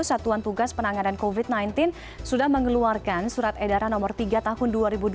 satuan tugas penanganan covid sembilan belas sudah mengeluarkan surat edaran nomor tiga tahun dua ribu dua puluh